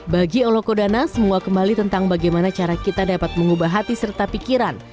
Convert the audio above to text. bagi olokodana semua kembali tentang bagaimana cara kita dapat mengubah hati serta pikiran